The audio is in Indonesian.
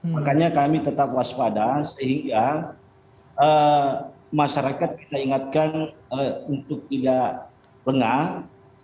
makanya kami tetap waspada sehingga masyarakat kita ingatkan untuk tidak lengah